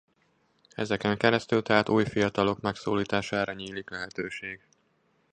Ezeken keresztül tehát új fiatalok megszólítására nyílik lehetőség.